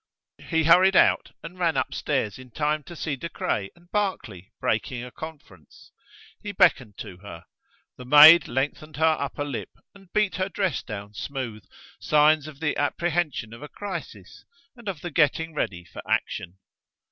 He hurried out and ran upstairs in time to see De Craye and Barclay breaking a conference. He beckoned to her. The maid lengthened her upper lip and beat her dress down smooth: signs of the apprehension of a crisis and of the getting ready for action.